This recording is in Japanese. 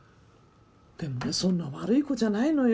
でもねそんな悪い子じゃないのよ。